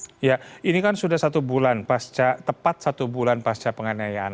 ya ini kan sudah satu bulan tepat satu bulan pasca penganiayaan